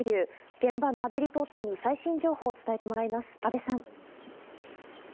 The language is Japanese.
現場の阿部リポーターに最新情報をおはようございます。